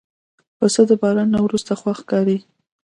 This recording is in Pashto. پسه د باران نه وروسته خوښ ښکاري.